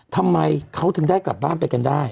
ทำไมเขาถึงได้กลับบ้านไปกันได้